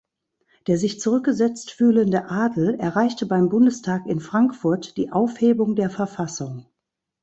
Der sich zurückgesetzt fühlende Adel erreichte beim Bundestag in Frankfurt die Aufhebung der Verfassung.